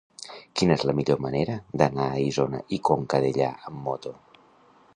Quina és la millor manera d'anar a Isona i Conca Dellà amb moto?